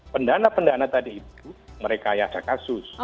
pendana pendana tadi itu mereka ada kasus